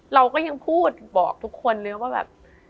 เราก็ยังพูดบอกทุกคนเลยว่าแบบ